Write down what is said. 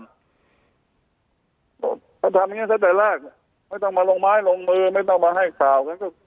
เขาทำอย่างนี้ตั้งแต่แรกไม่ต้องมาลงไม้ลงมือไม่ต้องมาให้ข่าวไง